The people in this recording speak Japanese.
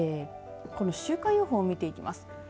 週間予報を見ていきます。